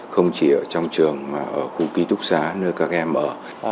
không chỉ ở trong trường mà ở khu ký túc xá nơi các em ở